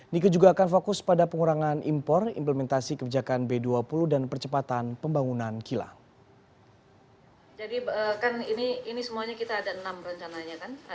nike juga akan fokus pada pengurangan impor implementasi kebijakan b dua puluh dan percepatan pembangunan kilang